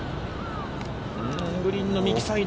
グリーンの右サイド。